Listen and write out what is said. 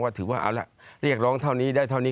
ถือว่าเอาล่ะเรียกร้องเท่านี้ได้เท่านี้